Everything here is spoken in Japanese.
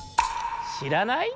しらない？